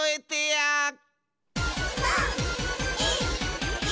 ３２１！